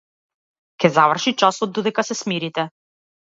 Ќе заврши часот додека се смирите.